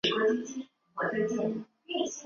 孩子的父亲又是谁？